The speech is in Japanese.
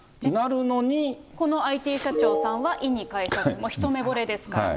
このＩＴ社長さんは、意に介さず、一目ぼれですから。